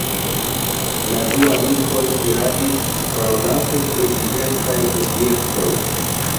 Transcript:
La du amikoj iradis, parolante pri diversaj objektoj.